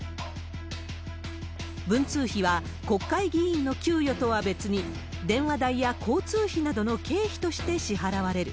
文通費は国会議員の給与とは別に、電話代や交通費などの経費として支払われる。